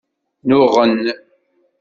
Nnuɣen.